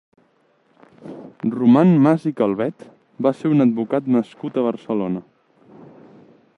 Román Mas i Calvet va ser un advocat nascut a Barcelona.